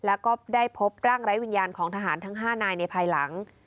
แล้วก็ได้พบร่างไร้วิญญาณของทหารทั้ง๕นายในภายหลัง